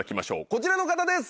こちらの方です！